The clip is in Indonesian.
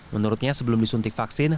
menurutnya sebelum disuntik vaksin